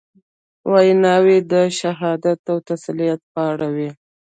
ویناوي د شهادت او تسلیت په اړه وې.